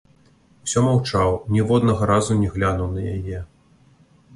Усё маўчаў, ніводнага разу не глянуў на яе.